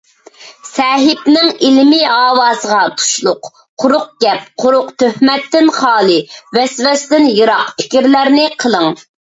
سەھىپىنىڭ ئىلمىي ھاۋاسىغا تۇشلۇق، قۇرۇق گەپ، قۇرۇق تۆھمەتتىن خالىي، ۋەسۋەسىدىن يىراق پىكىرلەرنى قىلىڭ!